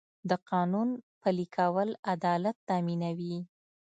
د قانون پلي کول عدالت تامینوي.